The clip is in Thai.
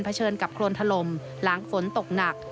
เชิญกับโครนถล่มหลังฝนตกหนัก